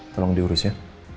tolong diurus ya